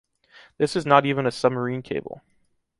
This is not even a submarine cable.